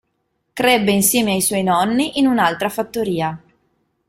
Crebbe insieme ai suoi nonni in un'altra fattoria.